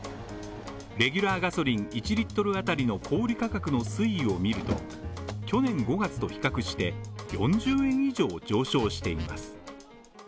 レギュラーガソリン１Ｌあたりの小売価格の推移を見ると、去年５月と比較して４０円以上上昇しています。